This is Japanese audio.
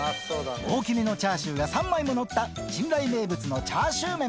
大きめのチャーシューが３枚も載った珍来名物のチャーシューメン。